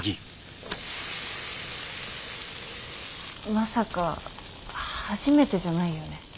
まさか初めてじゃないよね？